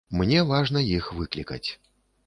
Мне важна іх выклікаць.